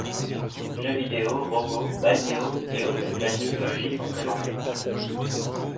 Jeux vidéo, robots, balnéo et autres nouvelle technologies sont présentés.